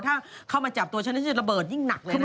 ถ้าเข้ามาจับตัวฉันนี่จะระเบิดยิ่งหนักเลยนะ